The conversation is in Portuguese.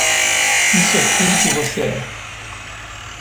Isso é tudo que você é.